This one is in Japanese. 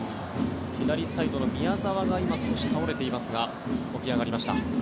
左サイドの宮澤が今、少し倒れていますが起き上がりました。